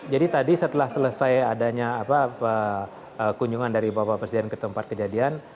jadi tadi setelah selesai adanya kunjungan dari bapak presiden ke tempat kejadian